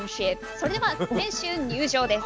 それでは選手入場です。